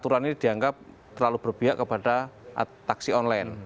aturan ini dianggap terlalu berpihak kepada taksi online